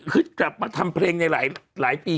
กลับมาทำเพลงในหลายปี